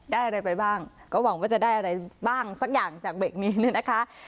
อะไรไปบ้างก็หวังว่าจะได้อะไรบ้างสักอย่างจากเบรกนี้เนี่ยนะคะ